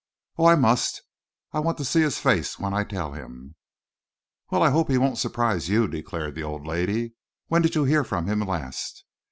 "Oh, I must! I want to see his face when I tell him." "Well, I hope he won't surprise you," declared the old lady. "When did you hear from him last?"